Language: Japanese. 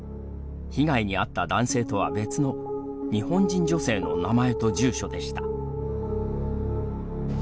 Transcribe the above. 被害に遭った男性とは別の日本人女性の名前と住所でした。